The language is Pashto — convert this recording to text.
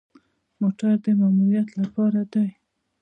موټر د ماموریت لپاره دی